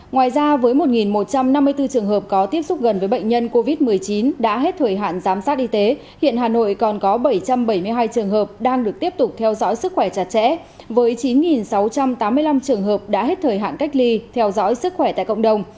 ngoài ra với một một trăm năm mươi bốn trường hợp có tiếp xúc gần với bệnh nhân covid một mươi chín đã hết thời hạn giám sát y tế hiện hà nội còn có bảy trăm bảy mươi hai trường hợp đang được tiếp tục theo dõi sức khỏe chặt chẽ với chín sáu trăm tám mươi năm trường hợp đã hết thời hạn cách ly theo dõi sức khỏe tại cộng đồng